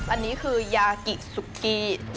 อันนี้คือยากิซุกี้